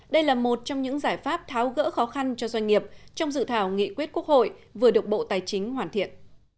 đây là một trong những giải pháp tháo gỡ khó khăn cho doanh nghiệp trong dự thảo nghị quyết quốc hội vừa được bộ tài chính hoàn thiện